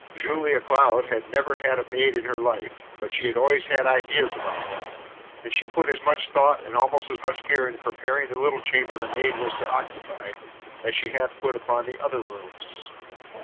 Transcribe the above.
Julia Cloud had never had a maid in her life, but she had always had ideas about one, and she put as much thought and almost as much care into preparing the little chamber the maid was to occupy as she had put upon the other rooms.